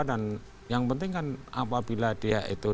dan yang penting kan apabila dia itu